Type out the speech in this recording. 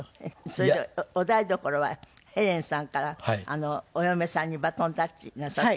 それでお台所はヘレンさんからお嫁さんにバトンタッチなさった？